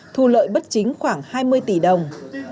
thu lợi bất chính khoảng hai mươi tỷ đồng